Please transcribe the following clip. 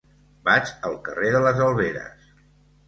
Vaig al carrer de les Alberes.